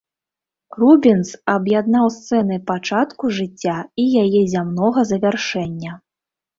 Рубенс аб'яднаў сцэны пачатку жыцця і яе зямнога завяршэння.